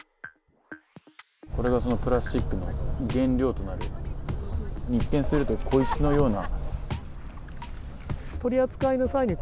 これがそのプラスチックの原料となる一見すると小石のような。